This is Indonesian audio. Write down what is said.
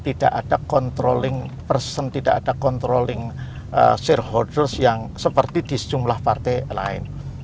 tidak ada controlling person tidak ada controlling shareholders yang seperti di sejumlah partai lain